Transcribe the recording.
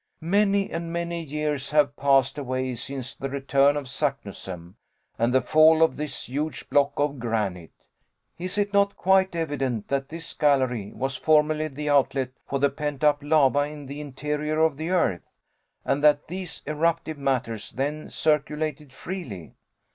Many and many years have passed away since the return of Saknussemm, and the fall of this huge block of granite. Is it not quite evident that this gallery was formerly the outlet for the pent up lava in the interior of the earth, and that these eruptive matters then circulated freely?